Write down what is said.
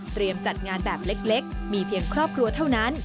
จัดงานแบบเล็กมีเพียงครอบครัวเท่านั้น